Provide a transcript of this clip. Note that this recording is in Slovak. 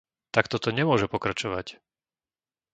Takto to nemôže pokračovať!